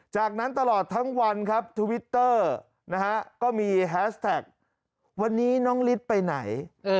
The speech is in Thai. จากนั้นตลอดทั้งวันครับทวิตเตอร์นะฮะก็มีแฮสแท็กวันนี้น้องฤทธิ์ไปไหน